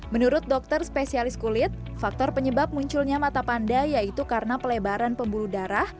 menurut dokter spesialis kulit faktor penyebab munculnya mata panda yaitu karena pelebaran pembuluh darah